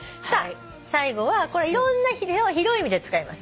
最後はこれいろんな広い意味で使います。